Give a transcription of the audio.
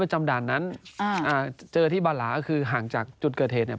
จำด่านนั้นเจอที่บาลาก็คือห่างจากจุดเกิดเหตุเนี่ย